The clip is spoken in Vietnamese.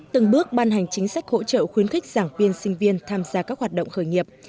từng bước ban hành chính sách hỗ trợ khuyến khích giảng viên sinh viên tham gia các hoạt động khởi nghiệp